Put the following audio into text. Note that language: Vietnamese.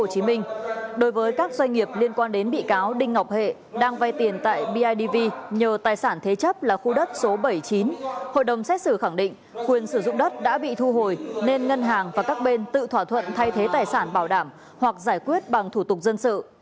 hội đồng xét xử khẳng định quyền sử dụng đất đã bị thu hồi nên ngân hàng và các bên tự thỏa thuận thay thế tài sản bảo đảm hoặc giải quyết bằng thủ tục dân sự